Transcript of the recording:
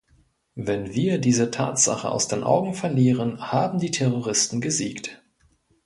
Wenn wir diese Tatsache aus den Augen verlieren, haben die Terroristen gesiegt.